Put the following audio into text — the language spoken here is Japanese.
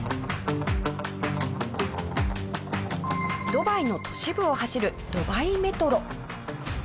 ドバイの都市部を走るドバイメトロ。